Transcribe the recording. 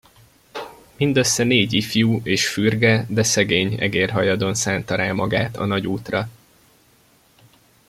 Mindössze négy ifjú és fürge, de szegény egérhajadon szánta rá magát a nagy útra.